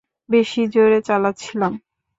বেশি জোরে চালাচ্ছিলাম?